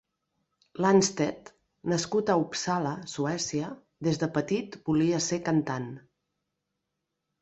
Lundstedt, nascut a Uppsala (Suècia), des de petit volia ser cantant.